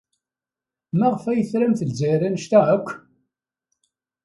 Maɣef ay tramt Lezzayer anect-a akk?